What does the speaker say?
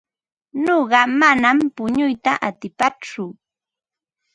Nuqa manam punuyta atipaatsu.